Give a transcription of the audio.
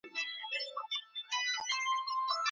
بيله سببه طلاق ځان، اولادونو او ميرمني ته د ضرر سبب کيدلای سي.